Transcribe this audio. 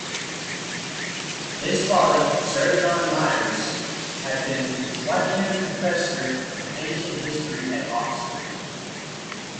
His father Sir John Myres had been Wykeham Professor of Ancient History at Oxford.